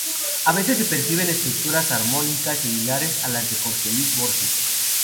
A veces se perciben estructuras armónicas similares a las de Jorge Luis Borges.